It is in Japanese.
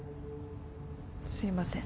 すいません。